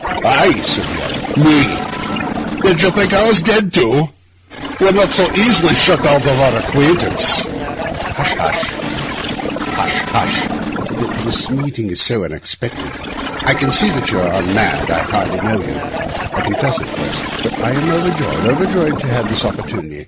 'Ay,' said the other, 'me! Did you think I was dead too? We are not so easy shut of our acquaintance.' 'Hush, hush!' exclaimed the doctor. 'Hush, hush! this meeting is so unexpected—I can see you are unmanned. I hardly knew you, I confess, at first; but I am overjoyed—overjoyed to have this opportunity.